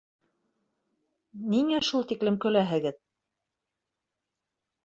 — Ниңә шул тиклем көләһегеҙ?